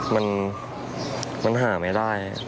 มันหาไม่ได้